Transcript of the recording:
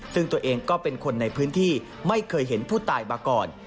ซึ่งตัวเองก็เป็นคนในพื้นที่ไม่เคยเห็นผู้ตายมาก่อน